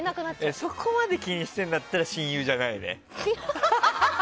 そこまで気にしてるんだったら親友じゃないね。